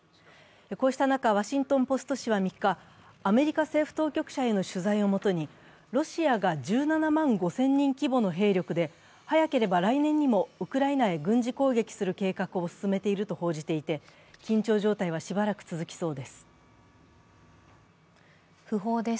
こうした中、「ワシントン・ポスト」紙は３日、アメリカ政府当局者への取材を元にロシアが１７万５０００人規模の兵力で早ければ来年にもウクライナへ軍事攻撃をする計画を進めていると報じていて、緊張状態はしばらく続きそうです。